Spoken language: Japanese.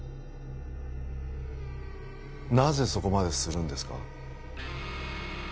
なぜそこまでするんですか？